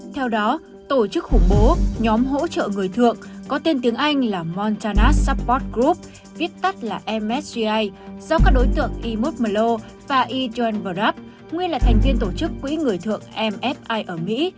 theo đó tổ chức khủng bố nhóm hỗ trợ người thượng có tên tiếng anh là montana support group viết tắt là msga do các đối tượng imut melo và idran vardab nguyên là thành viên tổ chức quỹ người thượng mfi ở mỹ